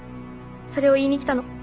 それを言いに来たの。